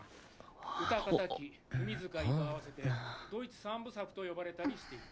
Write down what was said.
『うたかたの記』『文づかひ』と合わせてドイツ三部作と呼ばれたりしている。